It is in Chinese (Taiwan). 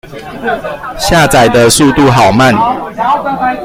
下載的速度好慢